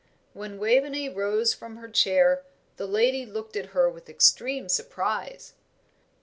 When Waveney rose from her chair, the lady looked at her with extreme surprise.